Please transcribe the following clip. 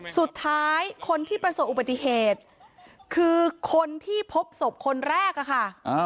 สุดท้ายคนที่ประสบอุบัติเหตุคือคนที่พบศพคนแรกอะค่ะ